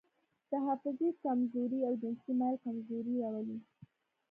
د حافظې کمزوري او جنسي میل کمزوري راولي.